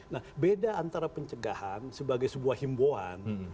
nah beda antara pencegahan sebagai sebuah himboan